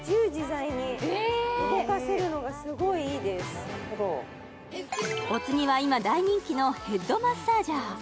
なるほどお次は今大人気のヘッドマッサージャー